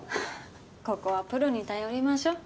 ここはプロに頼りましょう。